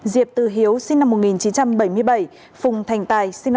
diệp từ hiếu sinh năm một nghìn chín trăm bảy mươi bảy phùng thành tài sinh năm hai nghìn một mươi chín